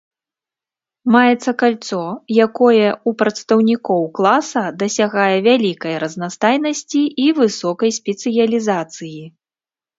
Маецца кальцо, якое ў прадстаўнікоў класа дасягае вялікай разнастайнасці і высокай спецыялізацыі.